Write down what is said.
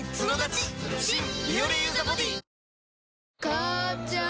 母ちゃん